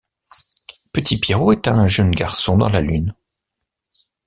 Petit Pierrot est un jeune garçon dans la Lune.